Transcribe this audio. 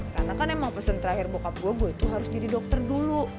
karena kan emang pesen terakhir bokap gue gue itu harus jadi dokter dulu